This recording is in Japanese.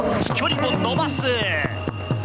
飛距離も延ばす！